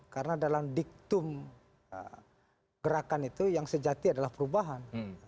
karena dalam diktum gerakan itu yang sejati adalah perubahan